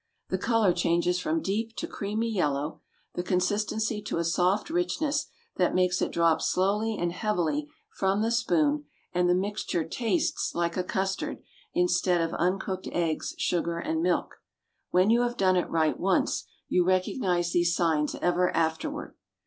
The color changes from deep to creamy yellow; the consistency to a soft richness that makes it drop slowly and heavily from the spoon, and the mixture tastes like a custard instead of uncooked eggs, sugar and milk. When you have done it right once, you recognize these signs ever afterward.